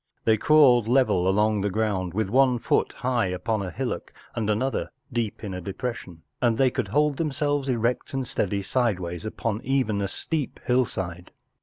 They crawled level along the ground with one foot high upon a hillock and another deep in a depression, and they could hold them¬ selves erect and steady sideways upon even a steep hillside.